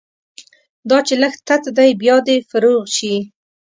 دا چې لږ تت دی، بیا دې فروغ شي